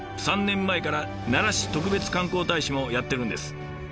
３年前から奈良市特別観光大使もやってるんです。